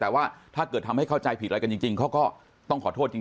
แต่ว่าถ้าเกิดทำให้เข้าใจผิดอะไรกันจริงเขาก็ต้องขอโทษจริง